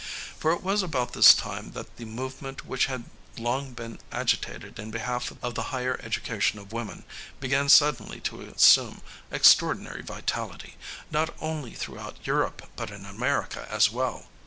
For it was about this time that the movement which had long been agitated in behalf of the higher education of women began suddenly to assume extraordinary vitality, not only throughout Europe but in America as well.